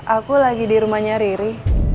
aku lagi di rumahnya riri